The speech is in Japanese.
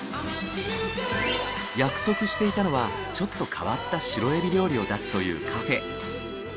約束していたのはちょっと変わったシロエビ料理を出すというカフェ。